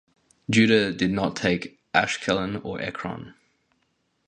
Judah did not take Ashkelon, or Ekron.